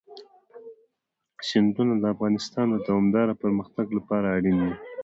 سیندونه د افغانستان د دوامداره پرمختګ لپاره اړین دي.